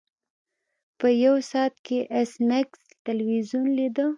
په یو ساعت کې ایس میکس تلویزیون لیده